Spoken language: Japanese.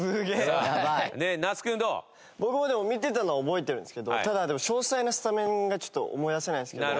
僕もでも見てたのは覚えてるんですけどただでも詳細なスタメンが思い出せないんですけど。